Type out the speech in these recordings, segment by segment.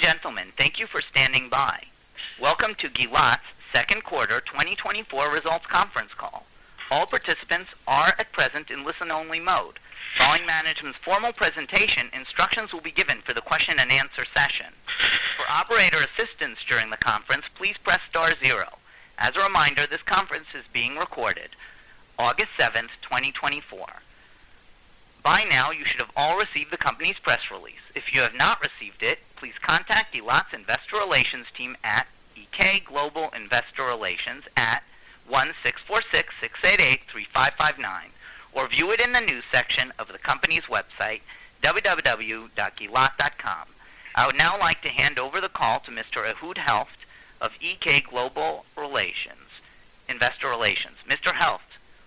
Ladies and gentlemen, thank you for standing by. Welcome to Gilat's second quarter 2024 results conference call. All participants are at present in listen-only mode. Following management's formal presentation, instructions will be given for the question and answer session. For operator assistance during the conference, please press star zero. As a reminder, this conference is being recorded, August 7, 2024. By now, you should have all received the company's press release. If you have not received it, please contact Gilat's Investor Relations team at EK Global Investor Relations at 1-646-688-3559, or view it in the news section of the company's website, www.gilat.com. I would now like to hand over the call to Mr. Ehud Helft of EK Global Investor Relations. Mr. Helft,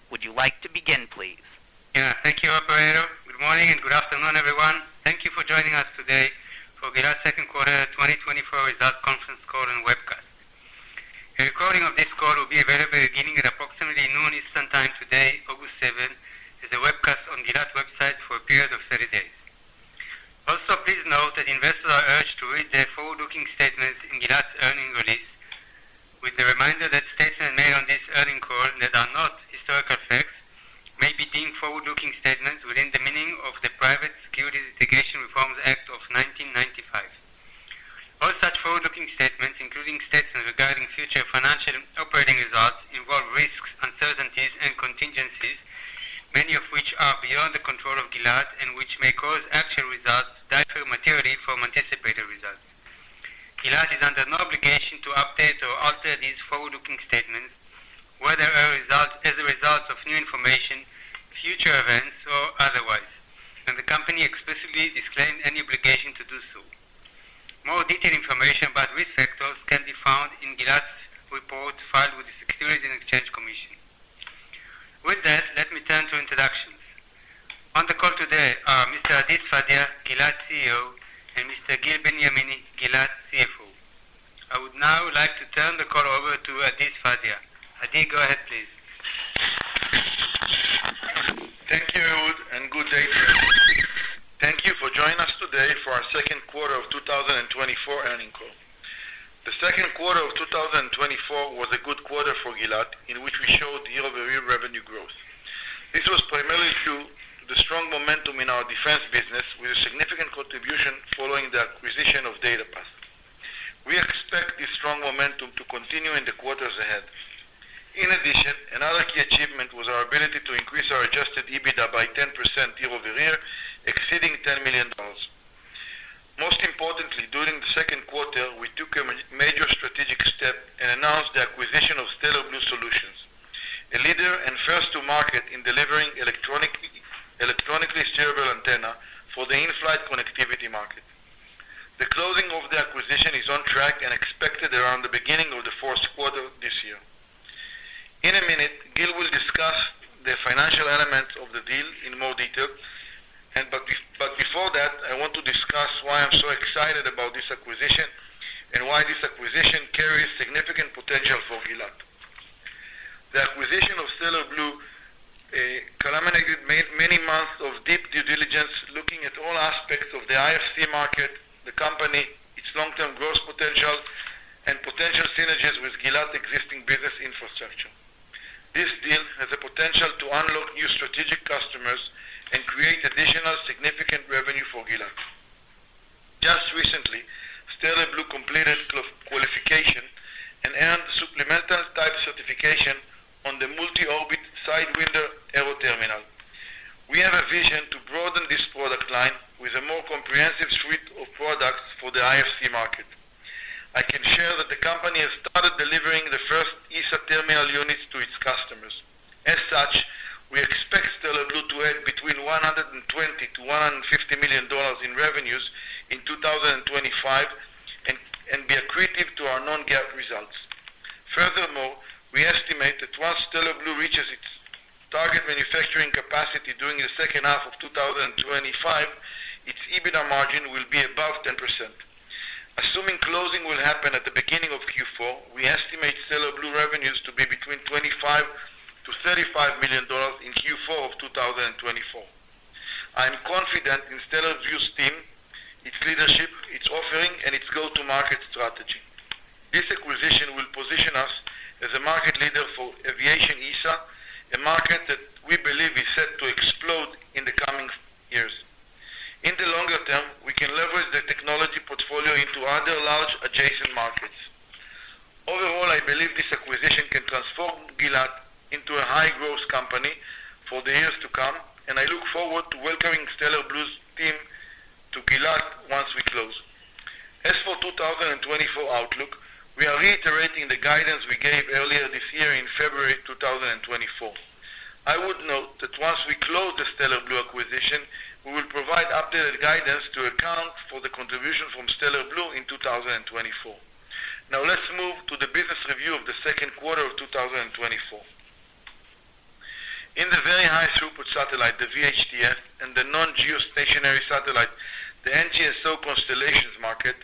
would you like to begin, please? Yeah. Thank you, operator. Good morning and good afternoon, everyone. Thank you for joining us today for Gilat second quarter 2024 results conference call and webcast. A recording of this call will be available beginning at approximately noon Eastern Time today, August 7, as a webcast on Gilat's website for a period of 30 days. Also, please note that investors are urged to read the forward-looking statements in Gilat's earnings release, with the reminder that statements made on this earnings call that are not historical facts may be deemed forward-looking statements within the meaning of the Private Securities Litigation Reform Act of 1995. All such forward-looking statements, including statements regarding future financial and operating results, involve risks, uncertainties, and contingencies, many of which are beyond the control of Gilat, and which may cause actual results to differ materially from anticipated results. Gilat is under no obligation to update or alter these forward-looking statements, whether as a result, as a result of new information, future events, or as a market leader for aviation ESA, a market that we believe is set to explode in the coming years. In the longer term, we can leverage the technology portfolio into other large adjacent markets. Overall, I believe this acquisition can transform Gilat into a high-growth company for the years to come, and I look forward to welcoming Stellar Blu's team to Gilat once we close. As for 2024 outlook, we are reiterating the guidance we gave earlier this year in February 2024. I would note that once we close the Stellar Blu acquisition, we will provide updated guidance to account for the contribution from Stellar Blu in 2024. Now, let's move to the business review of the second quarter of 2024. In the very high throughput satellite, the VHTS, and the non-geostationary satellite, the NGSO constellations market,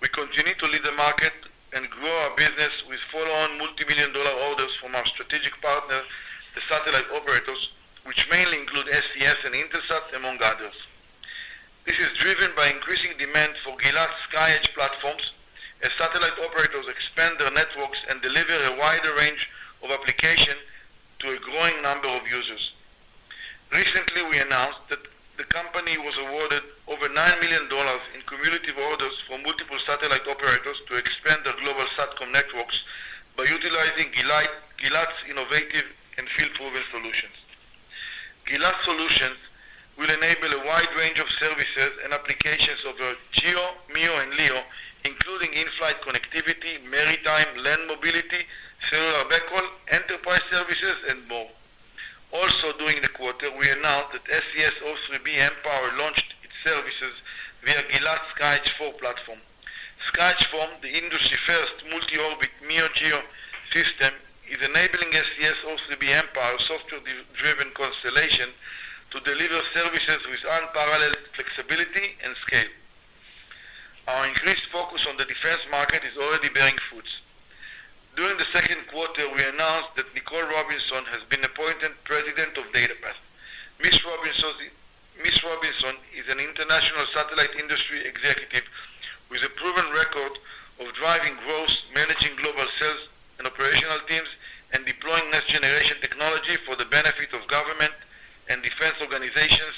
we continue to lead the market and grow our business with follow-on multimillion-dollar orders from our strategic partners, the satellite operators, which mainly include SES and Intelsat, among others. This is driven by increasing demand for Gilat SkyEdge platforms as satellite operators expand their networks and deliver a wider range of application to a growing number of users. Recently, we announced that the company was awarded over $9 million in cumulative orders from multiple satellite operators to expand their global Satcom networks by utilizing Gilat, Gilat's innovative and field-proven solutions. Gilat solutions will enable a wide range of services and applications over GEO, MEO, and LEO, including in-flight connectivity, maritime, land mobility, cellular backhaul, enterprise services, and more. Also, during the quarter, we announced that SES O3b mPOWER launched its services via Gilat SkyEdge IV platform. SkyEdge IV, the industry-first multi-orbit MEO-GEO system, is enabling SES O3b mPOWER software-defined constellation to deliver services with unparalleled flexibility and scale. Our increased focus on the defense market is already bearing fruit. During the second quarter, we announced that Nicole Robinson has been appointed President of DataPath. Ms. Robinson is an international satellite industry executive with a proven record of driving growth, managing global sales and operational teams, and deploying next-generation technology for the benefit of government and defense organizations, businesses,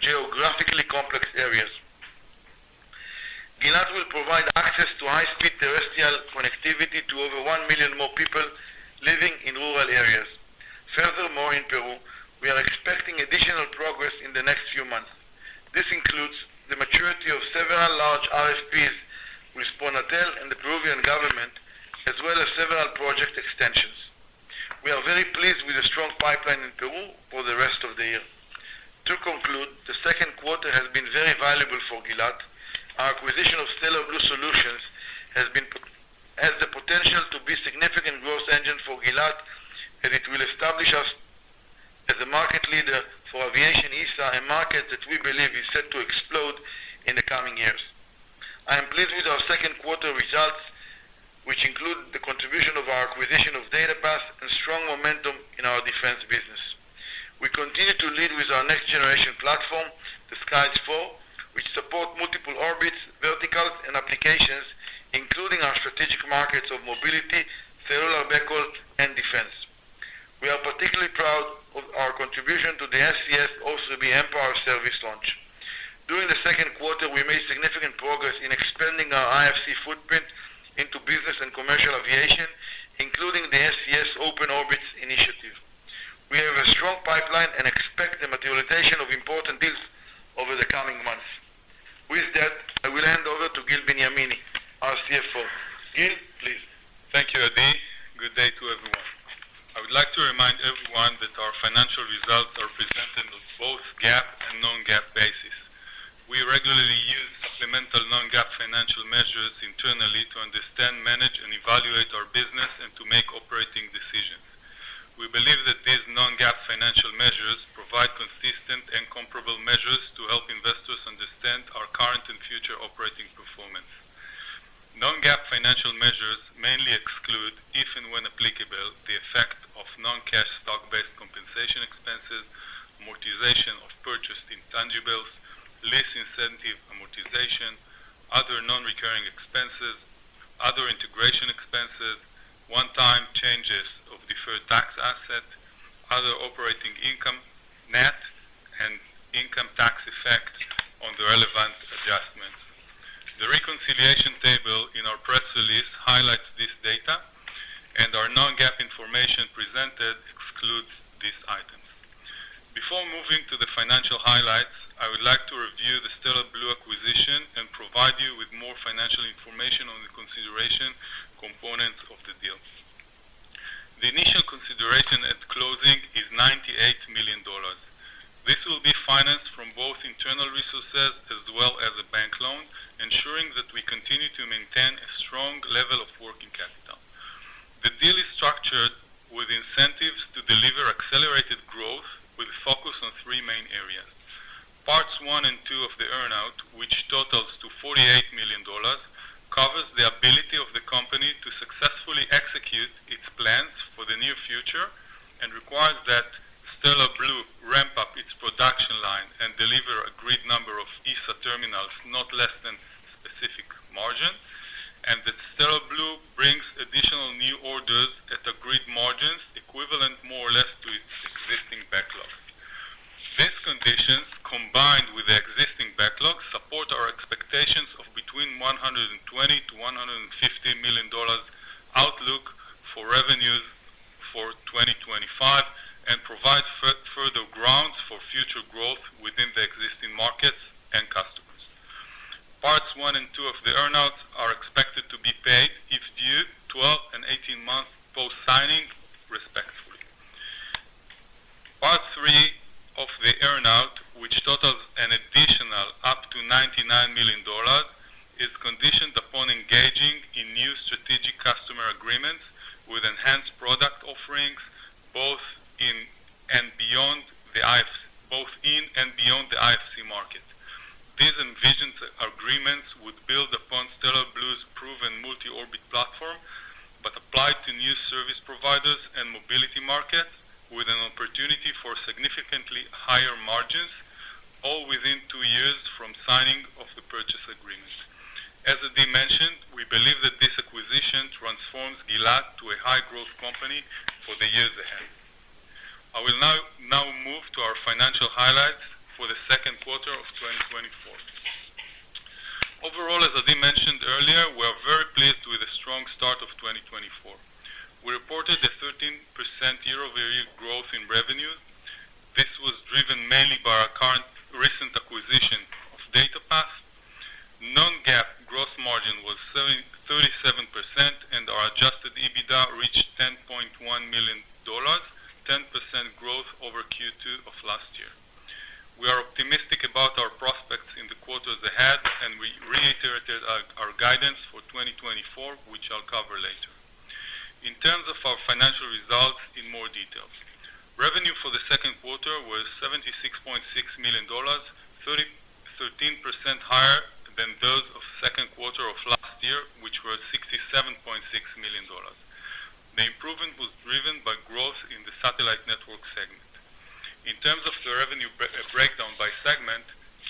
geographically complex areas. Gilat will provide access to high-speed terrestrial connectivity to over 1 million more people living in rural areas. Furthermore, in Peru, we are expecting additional progress in the next few months. This includes the maturity of several large RFPs with Pronatel and the Peruvian government, as well as several project extensions. We are very pleased with the strong pipeline in Peru for the rest of the year. To conclude, the second quarter has been very valuable for Gilat. Our acquisition of Stellar Blu Solutions has the potential to be a significant growth engine for Gilat, and it will establish us as a market leader for aviation ESA, a market that we believe is set to explode in the coming years. I am pleased with our second quarter results, which include the contribution of our acquisition of DataPath and strong momentum in our defense business. We continue to lead with our next generation platform, the SkyEdge IV, which support multiple orbits, verticals, and applications, including our strategic markets of mobility, cellular backhaul, and defense. We are particularly proud of our contribution to the SES O3b mPOWER service launch.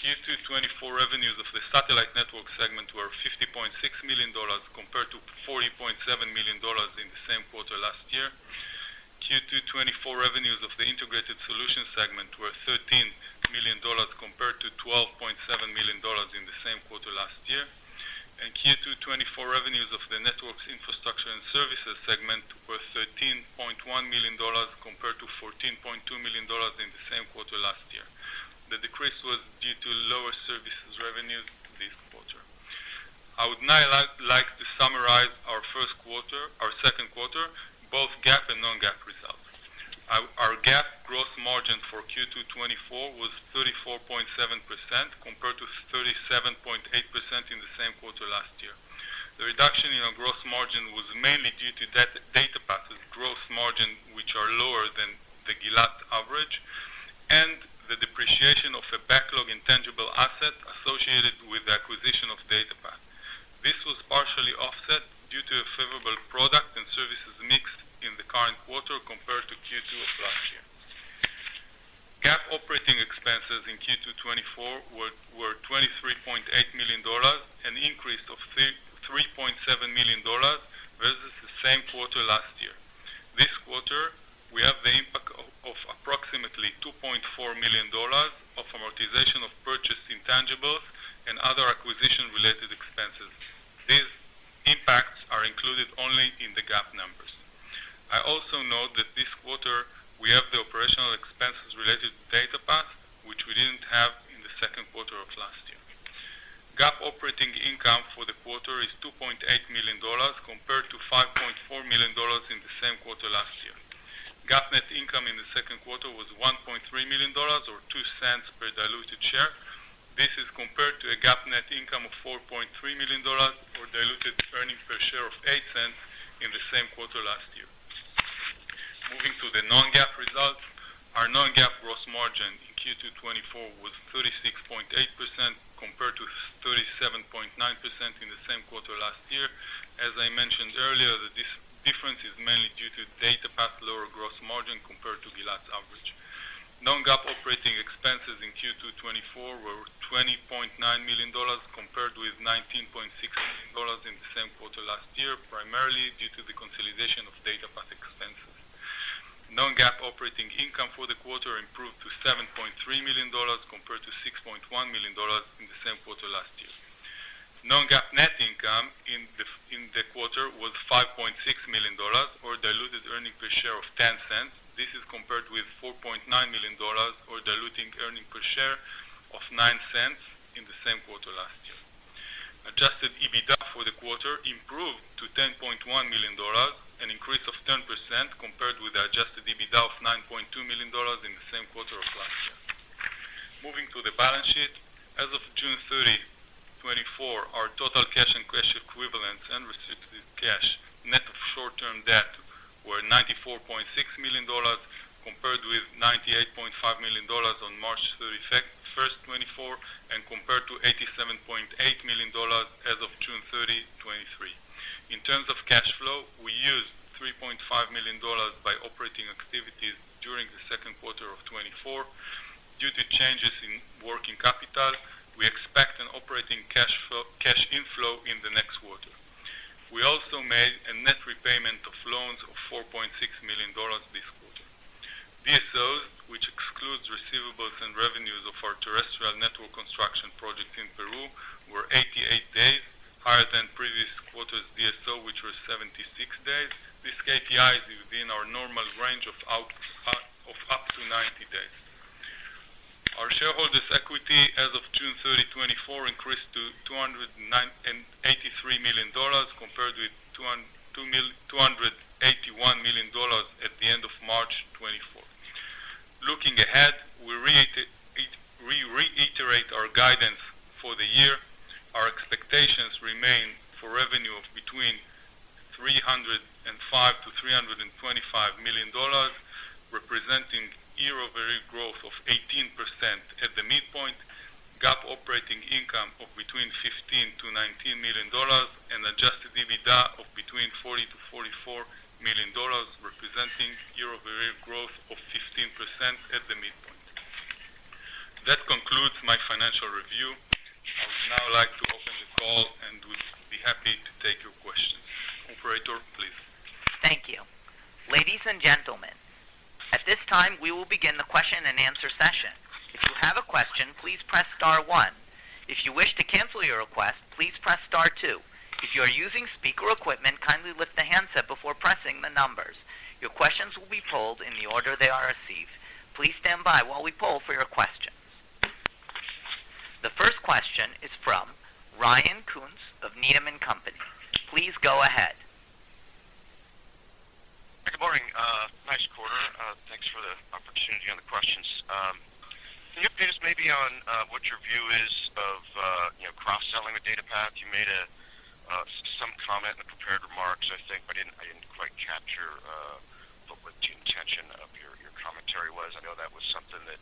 segment, Q2 2024 revenues of the satellite network segment were $50.6 million, compared to $40.7 million in the same quarter last year. Q2 2024 revenues of the integrated solutions segment were $13 million, compared to $12.7 million in the same quarter last year. Q2 2024 revenues of the networks, infrastructure, and services segment was $13.1 million, compared to $14.2 million in the same quarter last year. The decrease was due to lower services revenues this quarter. I would now like to summarize our second quarter, both GAAP and non-GAAP results. Our GAAP gross margin for Q2 2024 was 34.7%, compared to 37.8% in the same quarter last year. The reduction in our gross margin was mainly due to DataPath's gross margin, which are lower than the Gilat average, and the asset associated with the acquisition of DataPath. This was partially offset due to a favorable product and services mix in the current quarter compared to Q2 of last year. GAAP operating expenses in Q2 2024 were $23.8 million, an increase of $3.7 million versus the same quarter last year. This quarter, we have the impact of approximately $2.4 million of amortization of purchased intangibles and other acquisition-related expenses. These impacts are included only in the GAAP numbers. I also note that this quarter, we have the operational expenses related to DataPath, which we didn't have in the second quarter of last year. GAAP operating income for the quarter is $2.8 million, compared to $5.4 million in the same quarter last year. GAAP net income in the second quarter was $1.3 million, or $0.02 per diluted share. This is compared to a GAAP net income of $4.3 million, or diluted earnings per share of $0.08 in the same quarter last year. Moving to the non-GAAP results, our non-GAAP gross margin in Q2 2024 was 36.8%, compared to 37.9% in the same quarter last year. As I mentioned earlier, the difference is mainly due to DataPath lower gross margin compared to Gilat's average. Non-GAAP operating expenses in Q2 2024 were $20.9 million, compared with $19.6 million in the same quarter last year, primarily due to the consolidation of DataPath expenses. Non-GAAP operating income for the quarter improved to $7.3 million, compared to $6.1 million in the same quarter last year. Non-GAAP net income in the quarter was $5.6 million, or diluted earnings per share of $0.10. This is compared with $4.9 million, or diluted earnings per share of $0.09 in the same quarter last year. Adjusted EBITDA for the quarter improved to $10.1 million, an increase of 10% compared with the adjusted EBITDA of $9.2 million in the same quarter of last year. Moving to the balance sheet. As of June 30, 2024, our total cash and cash equivalents and restricted cash, net of short-term debt, were $94.6 million, compared with $98.5 million on March 31, 2024, and compared to $87.8 million as of June 30, 2023. In terms of cash flow, we used $3.5 million by operating activities during the second quarter of 2024. Due to changes in working capital, we expect an operating cash flow, cash inflow in the next quarter. We also made a net repayment of loans of $4.6 million this quarter. DSOs, which excludes receivables and revenues of our terrestrial network construction project in Peru, were 88 days, higher than previous quarter's DSO, which was 76 days. This KPI is within our normal range of up to 90 days. Our shareholders' equity as of June thirty, 2024, increased to $209.83 million, compared with $281 million at the end of March 2024. Looking ahead, we reiterate our guidance for the year. Our expectations remain for revenue of between $305 million-$325 million, representing year-over-year growth of 18% at the midpoint, GAAP operating income of between $15 millio-$19 million, and adjusted EBITDA of between $40 million-$44 million, representing year-over-year growth of 15% at the midpoint. That concludes my financial review. I would now like to open the call and would be happy to take your questions. Operator, please. Thank you. Ladies and gentlemen, at this time, we will begin the question-and-answer session. If you have a question, please press star one. If you wish to cancel your request, please press star two. If you are using speaker equipment, kindly lift the handset before pressing the numbers. Your questions will be polled in the order they are received. Please stand by while we poll for your questions. The first question is from Ryan Koontz of Needham & Company. Please go ahead. Good morning. Nice quarter. Thanks for the opportunity on the questions. Can you update us maybe on what your view is of, you know, cross-selling with DataPath? You made a some comment in the prepared remarks, I think, but I didn't, I didn't quite capture what the intention of your, your commentary was. I know that was something that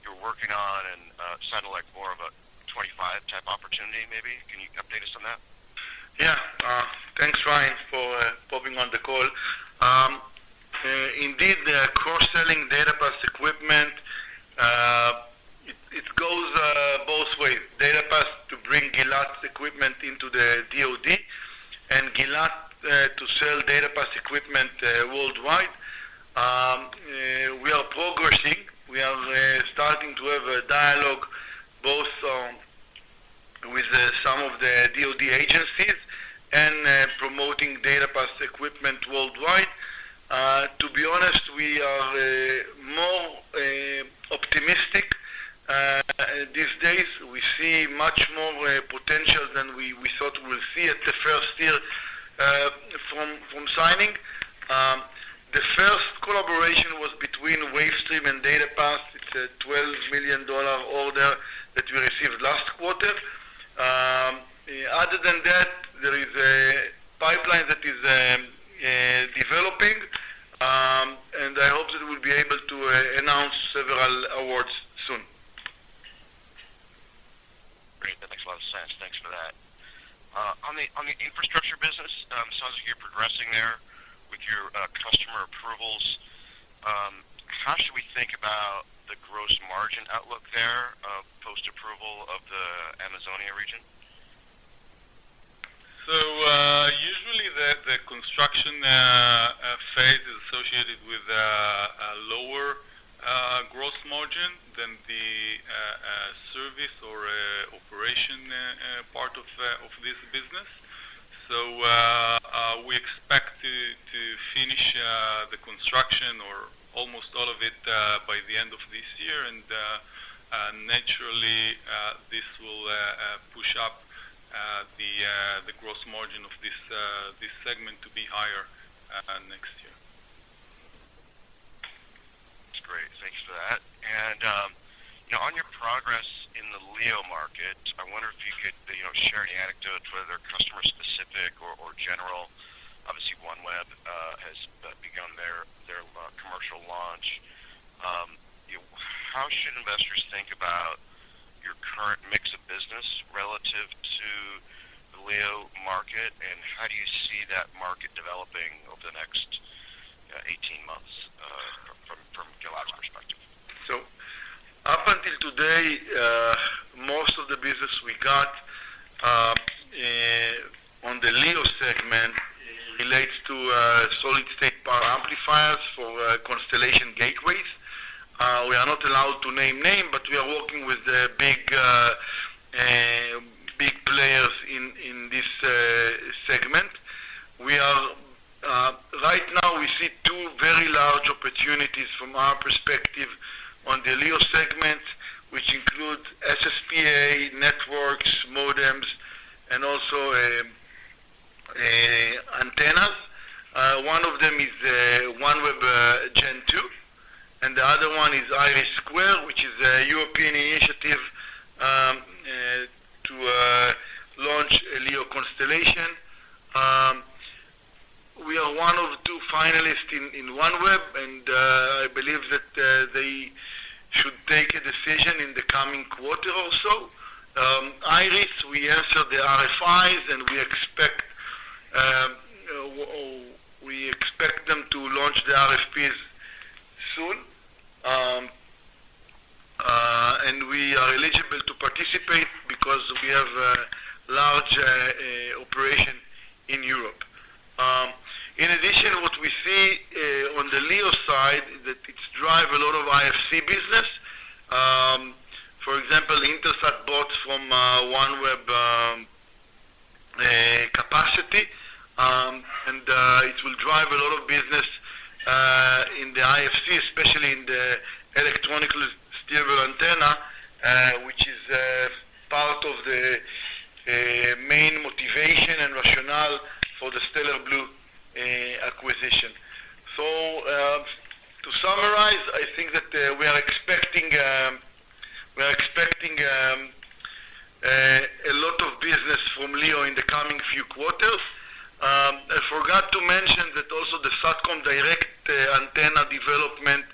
you're working on and sounded like more of a 25-type opportunity, maybe. Can you update us on that? Yeah. Thanks, Ryan, for popping on the call. Indeed, the cross-selling DataPath equipment, it goes both ways. DataPath to bring Gilat's equipment into the DoD, and Gilat to sell DataPath equipment worldwide. We are progressing. We are starting to have a dialogue, both with some of the DoD agencies and promoting DataPath equipment worldwide. To be honest, we are more optimistic these days. We see much more potential than we thought we'd see at the first deal from signing. The first collaboration was between Wavestream and DataPath. It's a $12 million order that we received last quarter. Other than that, there is a pipeline that is...... and I hope that we'll be able to announce several awards soon. Great! That makes a lot of sense. Thanks for that. On the infrastructure business, it sounds like you're progressing there with your customer approvals. How should we think about the gross margin outlook there, post-approval of the Amazonas region? So, usually the construction phase is associated with a lower gross margin than the service or operation part of this business. So, we expect to finish the construction or almost all of it by the end of this year, and naturally, this will push up the gross margin of this segment to be higher next year. That's great. Thank you for that. And, you know, on your progress in the LEO market, I wonder if you could, you know, share any anecdotes, whether they're customer-specific or general. Obviously, OneWeb has begun their commercial launch. You know, how should investors think about your current mix of business relative to the LEO market, and how do you see that market developing over the next 18 months from Gilat's perspective? So up until today, most of the business we got on the LEO segment relates to solid-state power amplifiers for constellation gateways. We are not allowed to name name, but we are working with the big big players in this segment. We are right now, we see two very large opportunities from our perspective on the LEO segment, which include SSPA, networks, modems, and also antennas. One of them is OneWeb Gen Two, and the other one is IRIS², which is a European initiative to launch a LEO constellation. We are one of two finalists in OneWeb, and I believe that they should take a decision in the coming quarter or so. IRIS² I forgot to mention that also the Satcom Direct antenna development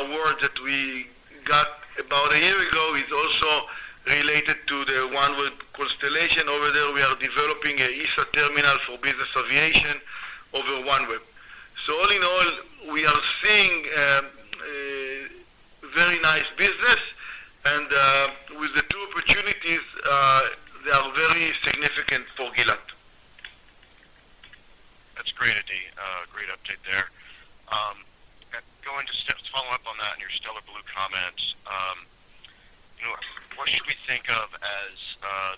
award that we got about a year ago is also related to the OneWeb constellation. Over there, we are developing a ESA terminal for business aviation over OneWeb. So all in all, we are seeing a very nice business, and with the two opportunities, they are very significant for Gilat. That's great, Adi. Great update there. Going to follow up on that and your Stellar Blu comments. You know, what should we think of as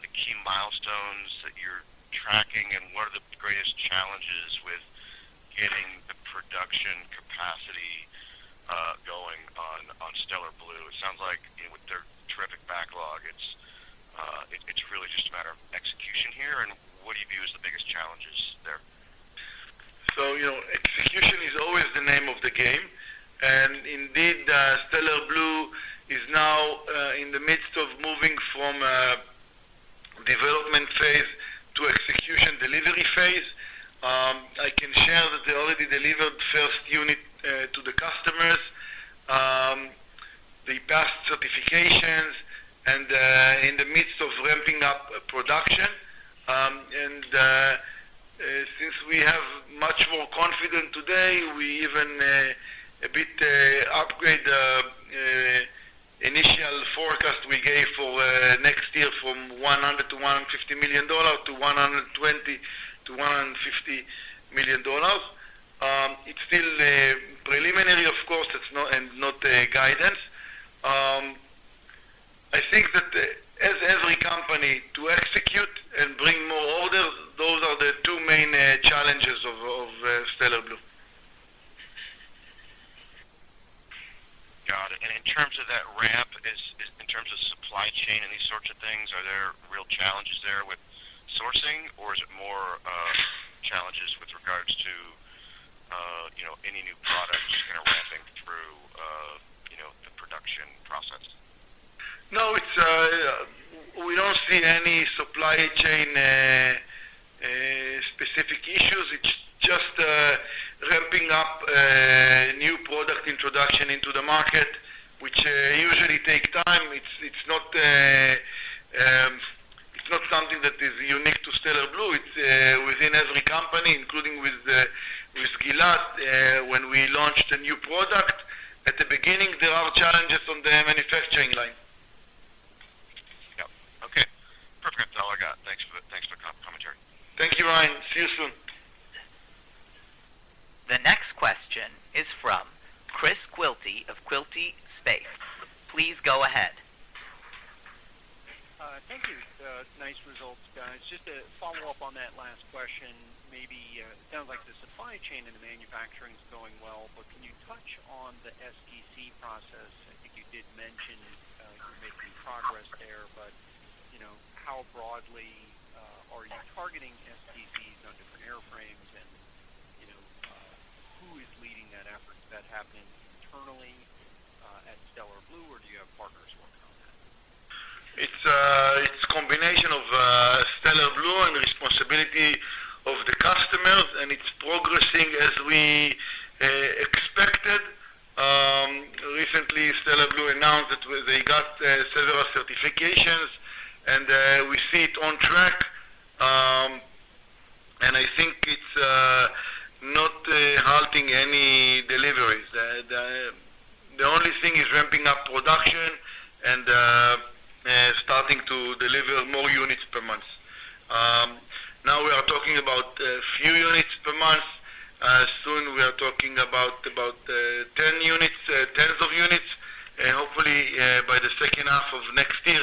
the key milestones that you're tracking, and what are the greatest challenges with getting the production capacity going on Stellar Blu? It sounds like, you know, with their terrific backlog, it's really just a matter of execution here, and what do you view as the biggest challenges there? So, you know, execution is always the name of the game, and indeed, Stellar Blu is now in the midst of moving from development phase to execution, delivery phase. I can share that they already delivered first unit to the customers. They passed certifications and in the midst of ramping up production. And since we have much more confident today, we even a bit upgrade the initial forecast we gave for next year from $100 million-$150 million to $120 million-$150 million. It's still preliminary, of course, it's not, and not a guidance. I think that as every company to execute and bring more orders, those are the two main challenges of Stellar Blu. Got it. And in terms of that ramp, is in terms of supply chain and these sorts of things, are there real challenges there with sourcing, or is it more challenges with regards to you know, any new product in a ramp? ...No, it's, we don't see any supply chain, specific issues. It's just, ramping up, new product introduction into the market, which, usually take time. It's, it's not, it's not something that is unique to Stellar Blu. It's, within every company, including with, with Gilat, when we launched a new product. At the beginning, there are challenges on the manufacturing line. Yeah. Okay, perfect. That's all I got. Thanks for the commentary. Thank you, Ryan. See you soon. The next question is from Chris Quilty of Quilty Space. Please go ahead. Thank you. Nice results, guys. Just to follow up on that last question, maybe it sounds like the supply chain and the manufacturing is going well, but can you touch on the STC process? I think you did mention you're making progress there, but you know, how broadly are you targeting STCs on different airframes? And you know, who is leading that effort? Is that happening internally at Stellar Blu, or do you have partners working on that? It's a combination of Stellar Blu and responsibility of the customers, and it's progressing as we expected. Recently, Stellar Blu announced that they got several certifications, and we see it on track. And I think it's not halting any deliveries. The only thing is ramping up production and starting to deliver more units per month. Now we are talking about a few units per month. Soon, we are talking about 10 units, tens of units, and hopefully, by the second half of next year,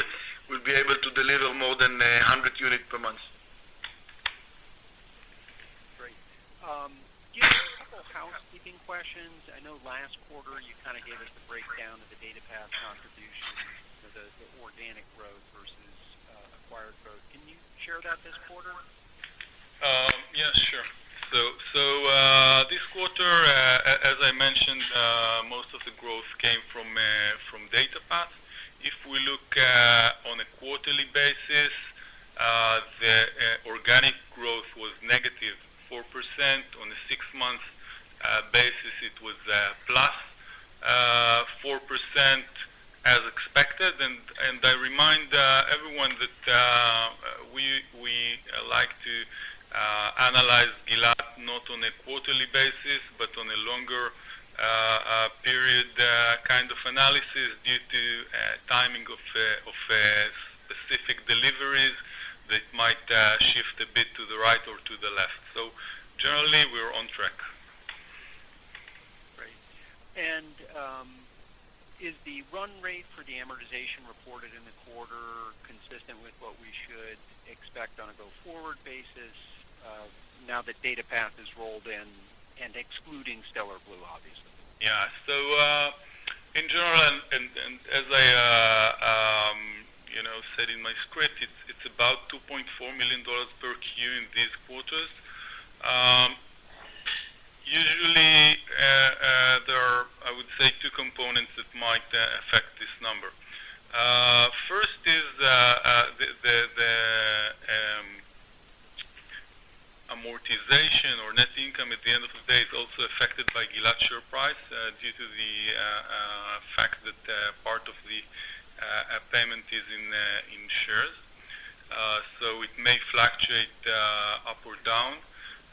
we'll be able to deliver more than 100 units per month. Great. Do you have a couple of housekeeping questions? I know last quarter, you kind of gave us the breakdown of the DataPath contribution, you know, the organic growth versus acquired growth. Can you share that this quarter? Yeah, sure. So, this quarter, as I mentioned, most of the growth came from DataPath. If we look on a quarterly basis, the organic growth was negative 4%. On a six-month basis, it was plus 4% as expected. And I remind everyone that we like to analyze Gilat not on a quarterly basis, but on a longer period kind of analysis due to timing of specific deliveries that might shift a bit to the right or to the left. So generally, we're on track. Great. And, is the run rate for the amortization reported in the quarter consistent with what we should expect on a go-forward basis, now that DataPath is rolled in and excluding Stellar Blu, obviously? Yeah. So, in general, and as I, you know, said in my script, it's about $2.4 million per Q in these quarters. Usually, there are, I would say, two components that might affect this number. First is the amortization or net income at the end of the day is also affected by Gilat share price, due to the fact that part of the payment is in shares. So it may fluctuate up or down.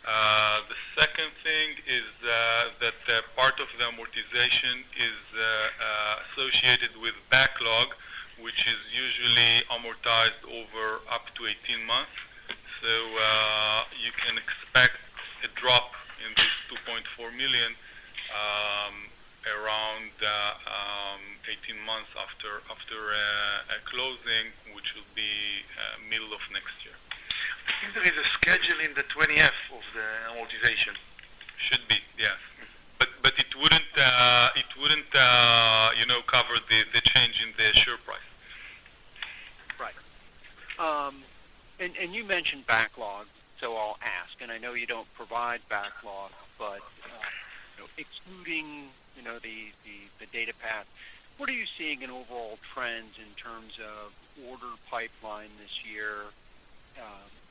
The second thing is that part of the amortization is associated with backlog, which is usually amortized over up to 18 months. So, you can expect a drop in this $2.4 million around 18 months after a closing, which will be middle of next year. I think there is a schedule in the 20-F of the amortization. Should be, yeah. But it wouldn't, you know, cover the change in the share price. Right. And you mentioned backlogs, so I'll ask, and I know you don't provide backlogs, but, you know, excluding, you know, the DataPath, what are you seeing in overall trends in terms of order pipeline this year,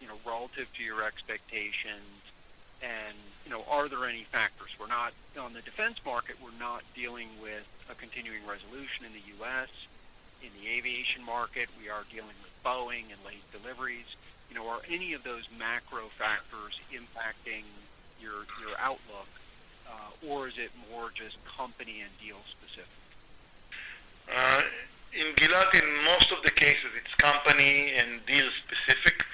you know, relative to your expectations? And, you know, are there any factors? On the defense market, we're not dealing with a continuing resolution in the U.S., in the aviation market, we are dealing with Boeing and late deliveries. You know, are any of those macro factors impacting your outlook, or is it more just company and deal specific? In Gilat, in most of the cases, it's company and deal specific.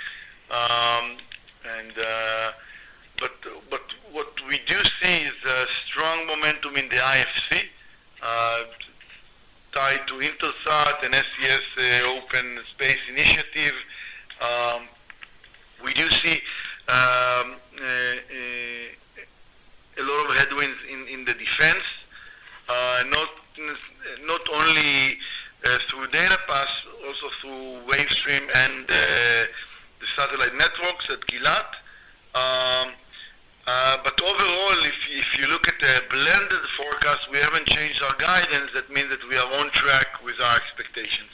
But what we do see is a strong momentum in the IFC, tied to Intelsat and SES Open Orbits Initiative. We do see a lot of headwinds in the defense, not only through DataPath, also through Wavestream and the satellite networks at Gilat... forecast, we haven't changed our guidance. That means that we are on track with our expectations.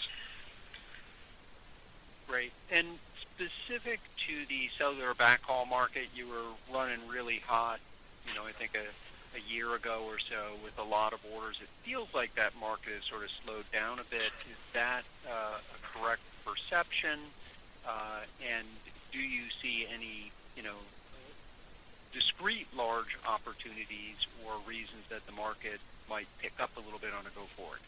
Great, and specific to the cellular backhaul market, you were running really hot, you know, I think a year ago or so with a lot of orders. It feels like that market has sort of slowed down a bit. Is that a correct perception? And do you see any, you know, discrete large opportunities or reasons that the market might pick up a little bit on a go forward?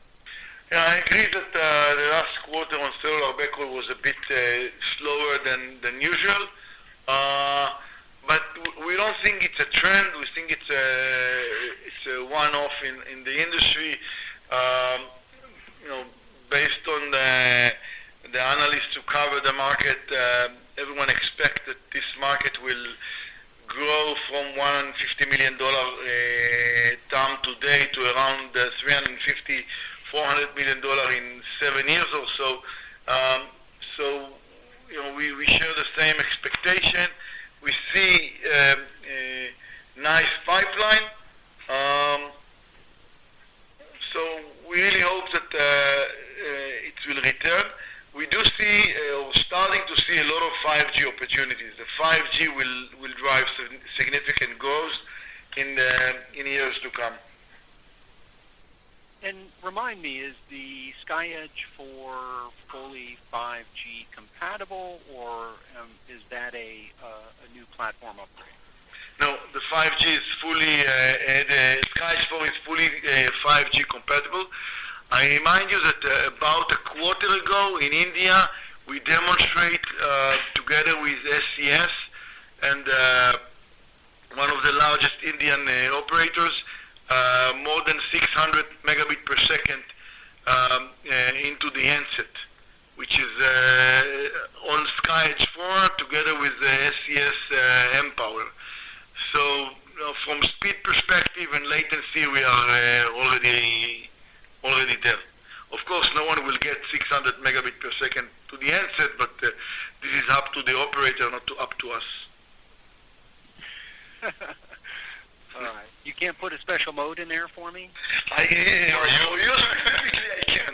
Yeah, I agree that the last quarter on cellular backhaul was a bit slower than usual. But we don't think it's a trend, we think it's a one-off in the industry. You know, based on the analysts who cover the market, everyone expect that this market will grow from $150 million today to around $350 million-$400 million in seven years or so. So, you know, we share the same expectation. We see a nice pipeline. So we really hope that it will return. We do see we're starting to see a lot of 5G opportunities. The 5G will drive significant growth in the years to come. Remind me, is the SkyEdge IV fully 5G compatible, or is that a new platform upgrade? No, the 5G is fully, the SkyEdge IV is fully, 5G compatible. I remind you that, about a quarter ago in India, we demonstrate, together with SES and, one of the largest Indian, operators, more than 600 Mbps into the handset, which is, on SkyEdge IV, together with the SES, mPOWER. So from speed perspective and latency, we are, already there. Of course, no one will get 600 Mbps to the handset, but, this is up to the operator, not up to us. All right. You can't put a special mode in there for me? I hear you. I can.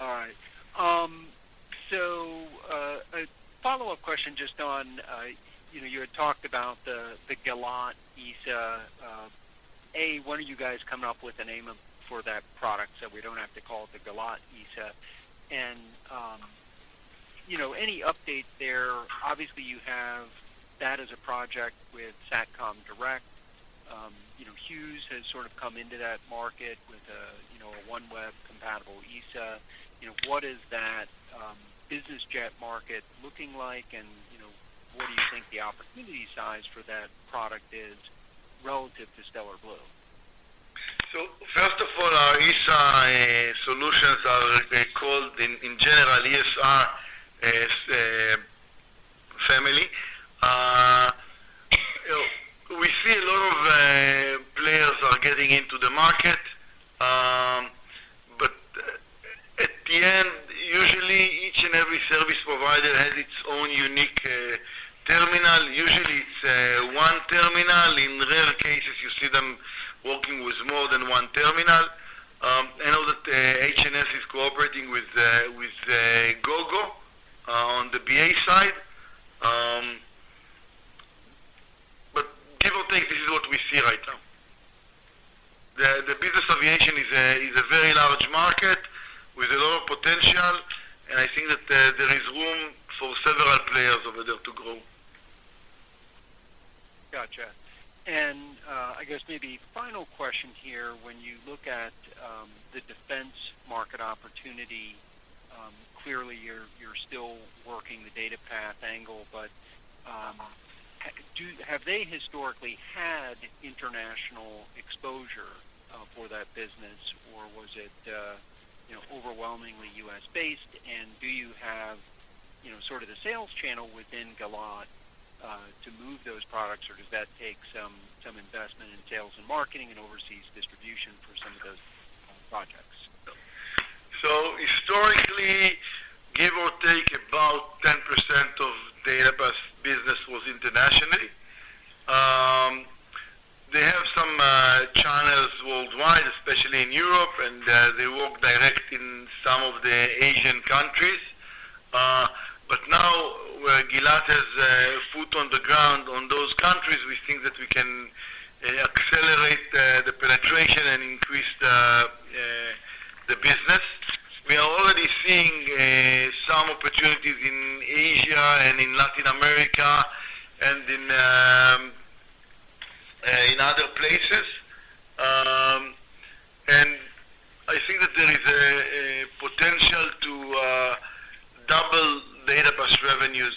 All right. So, a follow-up question, just on, you know, you had talked about the Gilat ESA. When are you guys coming up with a name for that product, so we don't have to call it the Gilat ESA? And, you know, any update there? Obviously, you have that as a project with Satcom Direct. You know, Hughes has sort of come into that market with a, you know, a OneWeb compatible ESA. You know, what is that business jet market looking like? And, you know, what do you think the opportunity size for that product is relative to Stellar Blu? So first of all, our ESA solutions are, they called, in general, ESR, as family. You know, we see a lot of players are getting into the market. But at the end, usually each and every service provider has its own unique terminal. Usually, it's one terminal. In rare cases, you see them working with more than one terminal. I know that HNS is cooperating with Gogo on the BA side. But give or take, this is what we see right now. The business aviation is a very large market with a lot of potential, and I think that there is room for several players over there to grow. Gotcha. And, I guess maybe final question here, when you look at, the defense market opportunity, clearly, you're, you're still working the DataPath angle, but, have they historically had international exposure, for that business, or was it, you know, sort of the sales channel within Gilat, to move those products, or does that take some, some investment in sales and marketing and overseas distribution for some of those, projects? So historically, give or take, about 10% of DataPath business was internationally. They have some channels worldwide, especially in Europe, and they work direct in some of the Asian countries. But now, where Gilat has a foot on the ground on those countries, we think that we can accelerate the penetration and increase the business. We are already seeing some opportunities in Asia and in Latin America and in other places. And I think that there is a potential to double the DataPath revenues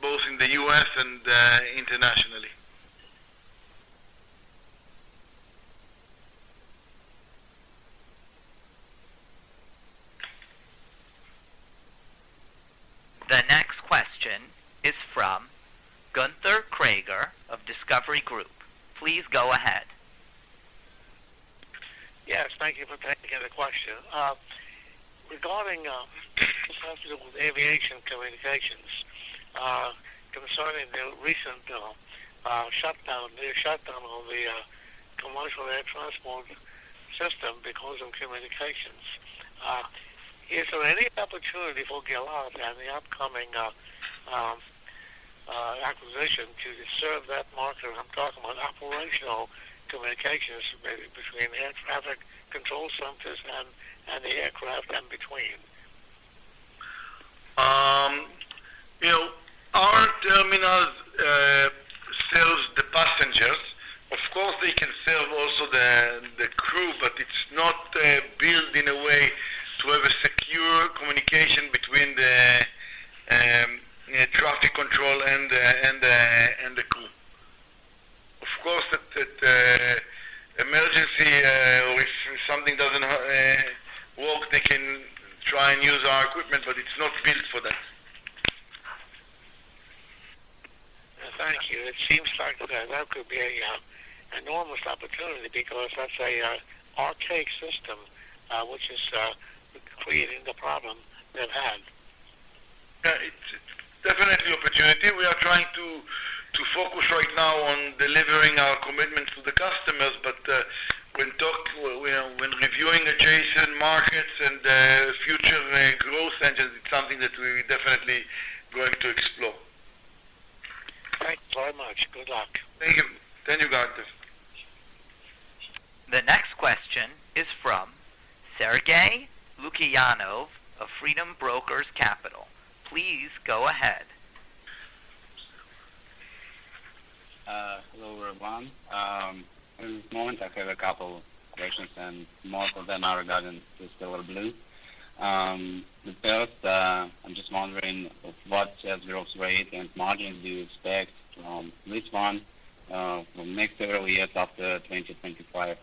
both in the US and internationally. The next question is from Gunther Karger of Discovery Group. Please go ahead.... Yes, thank you for taking the question. Regarding passenger with aviation communications, concerning the recent shutdown of the commercial air transport system because of communications. Is there any opportunity for Gilat and the upcoming acquisition to serve that market? I'm talking about operational communications between air traffic control centers and the aircraft in between. You know, our terminal serves the passengers. Of course, they can serve also the, the crew, but it's not built in a way to have a secure communication between the traffic control and the, and the, and the crew. Of course, at, at emergency, or if something doesn't work, they can try and use our equipment, but it's not built for that. Thank you. It seems like that could be an enormous opportunity because that's an archaic system, which is creating the problem they've had. Yeah, it's definitely opportunity. We are trying to focus right now on delivering our commitments to the customers, but when reviewing adjacent markets and future growth engines, it's something that we're definitely going to explore. Thanks very much. Good luck. Thank you. Thank you, Gunther. The next question is from Sergey Lukyanov of Freedom Finance. Please go ahead. Hello, everyone. At this moment, I have a couple of questions, and most of them are regarding the Stellar Blu. The first, I'm just wondering, what growth rate and margin do you expect from this one, from next several years after 2025?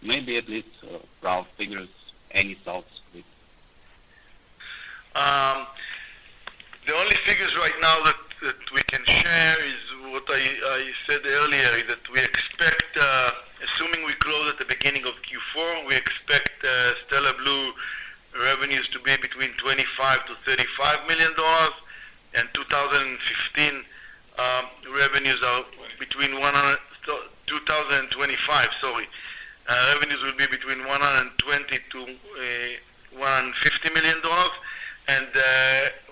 Maybe at least, rough figures, any thoughts please. The only figures right now that we can share is what I said earlier, is that we expect, assuming we close at the beginning of Q4, we expect Stellar Blu revenues to be between $25 million-$35 million, and 2015, 2025, sorry. Revenues will be between $120 million-$150 million.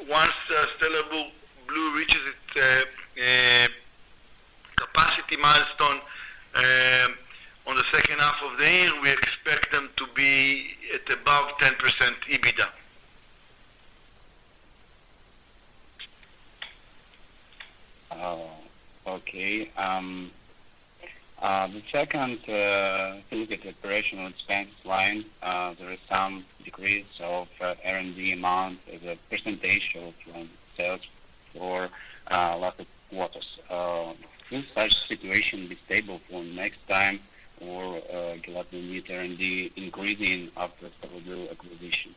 Once Stellar Blu reaches its capacity milestone on the second half of the year, we expect them to be at above 10% EBITDA. Oh, okay. The second look at the operational expense line, there is some decrease of R&D amount as a percentage of sales for last quarters. Will such situation be stable for next time or Gilat need R&D increasing after Stellar Blu acquisition?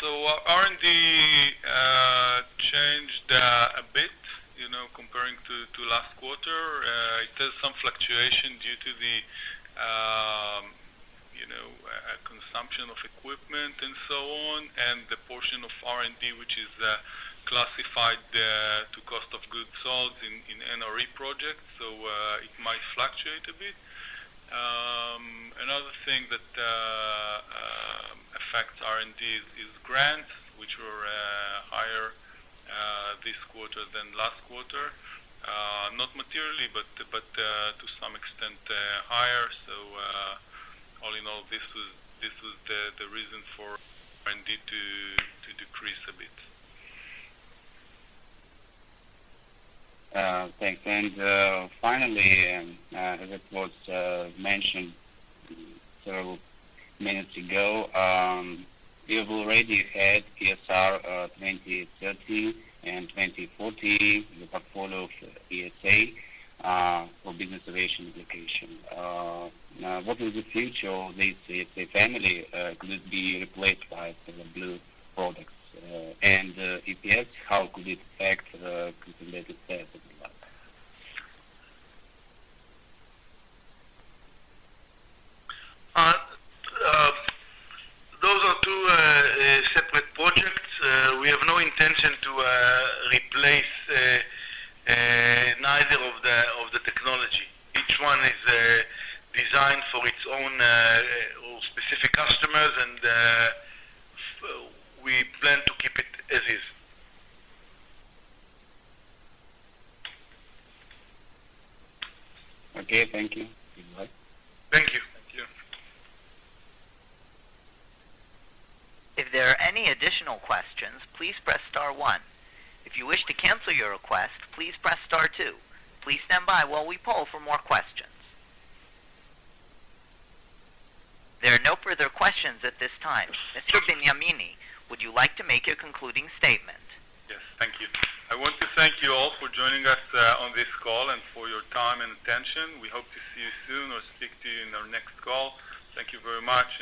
So R&D changed a bit, you know, comparing to last quarter. It has some fluctuation due to the, you know, consumption of equipment and so on, and the portion of R&D, which is classified to cost of goods sold in NRE projects, so it might fluctuate a bit. Another thing that affects R&D is grants, which were higher this quarter than last quarter. Not materially, but to some extent higher. So all in all, this was the reason for R&D to decrease a bit. Thanks. And, finally, as it was mentioned several minutes ago, you've already had ESR, 2013 and 2014, the portfolio of ESA, for business relations application. What is the future of this ESA family? Could it be replaced by Stellar Blu products? while we poll for more questions. There are no further questions at this time. Mr. Benyamini, would you like to make a concluding statement? Yes, thank you. I want to thank you all for joining us on this call and for your time and attention. We hope to see you soon or speak to you in our next call. Thank you very much and have a great day. Thank you. This concludes Gilat's second quarter 2024 results conference call. Thank you for your participation. You may go ahead and disconnect.